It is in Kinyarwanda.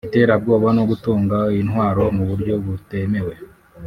iterabwoba no gutunga intwaro mu buryo butemewe